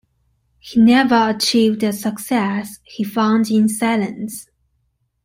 He never achieved the success he found in silents.